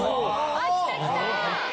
ああきたきた！